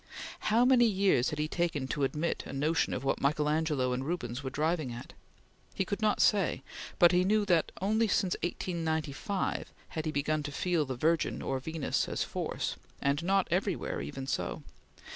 How many years had he taken to admit a notion of what Michael Angelo and Rubens were driving at? He could not say; but he knew that only since 1895 had he begun to feel the Virgin or Venus as force, and not everywhere even so.